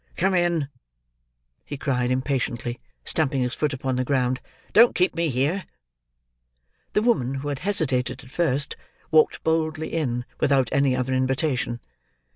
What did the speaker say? "Come in!" he cried impatiently, stamping his foot upon the ground. "Don't keep me here!" The woman, who had hesitated at first, walked boldly in, without any other invitation.